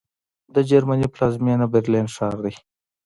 د جرمني پلازمېنه برلین ښار دی